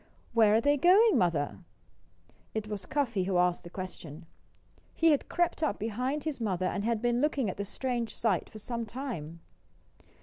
"Where are they going, Mother?" It was Cuffy who asked the question. He had crept up behind his mother and had been looking at the strange sight for some time.